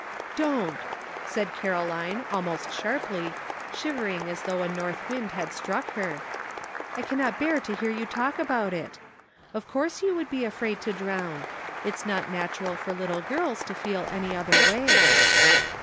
" Don't," said Caroline, almost sharply, shiv ering as though a north wind had struck her, " I cannot bear to hear you talk about it. Of course you would be afraid to drown. It's not natural for little girls to feel any other way."